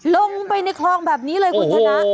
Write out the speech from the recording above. ลงไปในคลองแบบนี้เลยคุณชนะ